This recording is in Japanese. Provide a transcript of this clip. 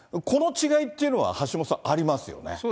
この違いっていうのは、橋下さん、ありますよね。